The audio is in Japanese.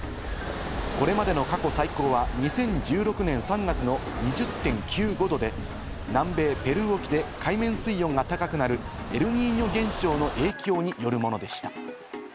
これまでの過去最高は２０１６年３月の２０．９５度で、南米・ペルー沖で海面水温が高くなるエルニーニョ現象の影響によるものでした。